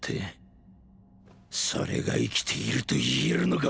それが生きていると言えるのか？